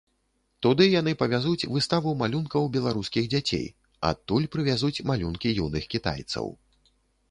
Туды яны павязуць выставу малюнкаў беларускіх дзяцей, адтуль прывязуць малюнкі юных кітайцаў.